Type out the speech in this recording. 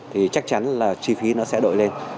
thì chắc chắn là chi phí nó sẽ đổi lên